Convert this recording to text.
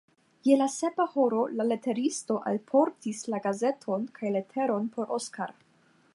Je la sepa horo la leteristo alportis la gazeton kaj leteron por Oskar.